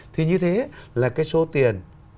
thì như thế là cái số tiền